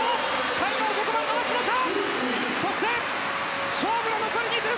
タイムをどこまで伸ばすのか。